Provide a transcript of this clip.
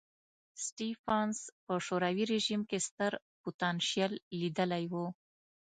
سټېفنس په شوروي رژیم کې ستر پوتنشیل لیدلی و.